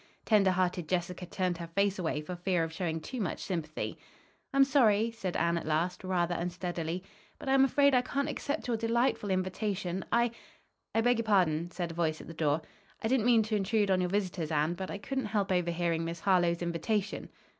Tender hearted Jessica turned her face away for fear of showing too much sympathy. "I'm sorry," said Anne at last, rather unsteadily, "but I am afraid I can't accept your delightful invitation. I " "I beg your pardon," said a voice at the door, "I didn't mean to intrude on your visitors, Anne, but I couldn't help overhearing Miss Harlowe's invitation."